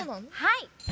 はい。